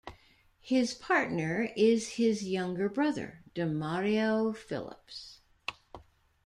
His partner is his younger brother Demario Phillips.